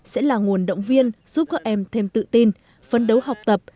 sẽ là nguồn động viên giúp các em thêm tự tin phấn đấu học tập